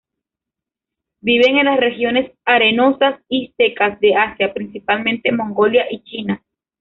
Vive en las regiones arenosas y secas de Asia, principalmente Mongolia y China.